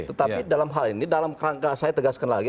tetapi dalam hal ini dalam kerangka saya tegaskan lagi